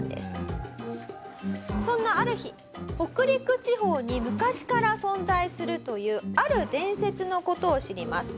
そんなある日北陸地方に昔から存在するというある伝説の事を知ります。